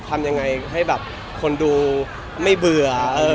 ทำยังไงให้แบบคนดูไม่เบื่อ